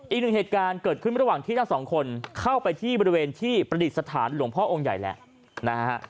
อีกหนึ่งเหตุการณ์เกิดขึ้นระหว่างที่ทั้งสองคนเข้าไปที่บริเวณที่ประดิษฐานหลวงพ่อองค์ใหญ่แหละนะฮะ